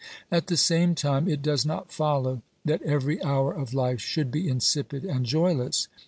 At the same time, it does not follow that every hour of life should be insipid and joyless.